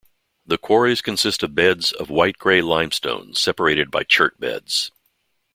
The quarries consist of beds of white-grey limestone separated by chert beds.